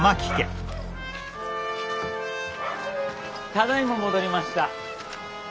ただいま戻りました。